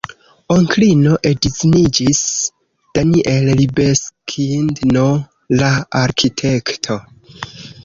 Onklino edziniĝis Daniel Libeskind-n, la arkitekto.